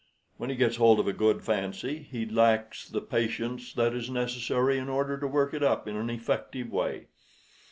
When he gets hold of a good fancy, he lacks the patience that is necessary in order to work it up in an effective way.